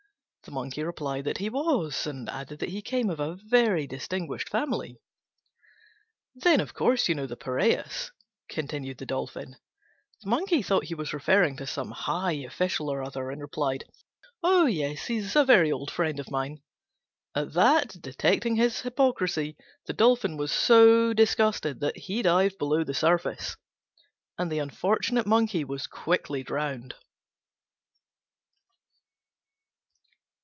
The Monkey replied that he was, and added that he came of a very distinguished family. "Then, of course, you know the Piræus," continued the Dolphin. The Monkey thought he was referring to some high official or other, and replied, "Oh, yes, he's a very old friend of mine." At that, detecting his hypocrisy, the Dolphin was so disgusted that he dived below the surface, and the unfortunate Monkey was quickly drowned.